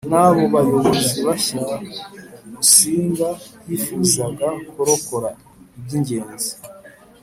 n abo bayobozi bashya Musinga yifuzaga kurokora iby ingenzi